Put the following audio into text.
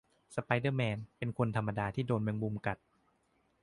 สไปเดอร์แมน เป็นคนธรรมดาที่โดนแมงมุมกัด